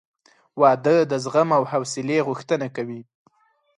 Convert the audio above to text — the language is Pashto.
• واده د زغم او حوصلې غوښتنه کوي.